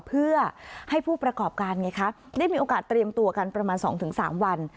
เพื่อให้ผู้ประกอบการไงคะได้มีโอกาสเตรียมตัวกันประมาณ๒๓วัน